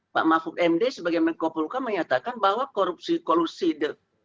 pak mahfud md sebagai menkopulkan menyatakan bahwa korupsi kolusi nepotisme